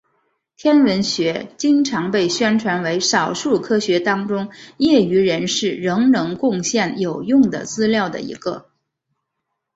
天文学经常被宣传为少数科学当中业余人士仍能贡献有用的资料的一个。